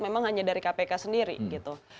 memang hanya dari kpk sendiri gitu